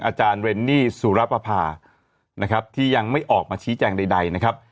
อาจารย์เรนนี่สุรปภานะครับที่ยังไม่ออกมาชี้แจงใดนะครับ